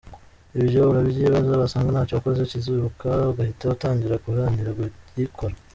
Ibyo urabyibaza wasanga ntacyo wakoze kizibukwa ugahita utangira guharanira kugikora.